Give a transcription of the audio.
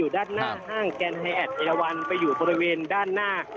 ด้านหน้าห้างแกนไฮแอดเอวันไปอยู่บริเวณด้านหน้า